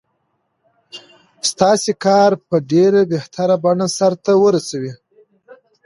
ستاسې کار په ډېره بهتره بڼه سرته ورسوي.